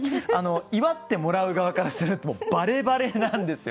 祝ってもらう側からするとバレバレなんですよ。